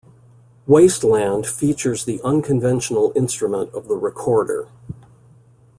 "Wasteland" features the unconventional instrument of the recorder.